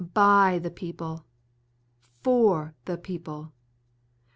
. .by the people. . .for the people.